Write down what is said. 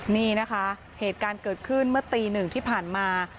นี่นะคะเหตุการณ์เกิดขึ้นเมื่อตีหนึ่งที่ผ่านมา